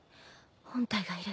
本体がいる。